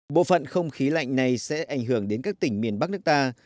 bộ phận không khí lạnh này sẽ ảnh hưởng đến các tỉnh miền bắc nước ta